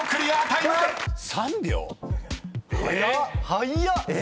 ］早っ！